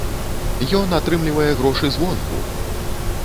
Ён атрымлівае грошы звонку!